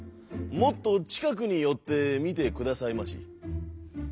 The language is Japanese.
もっとちかくによってみてくださいまし」。